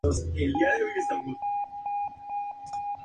Como escritor, es autor de novelas de espionaje y cuentos.